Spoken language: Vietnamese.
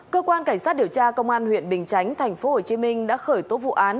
cơ quan cảnh sát điều tra công an huyện bình chánh tp hcm đã khởi tố vụ án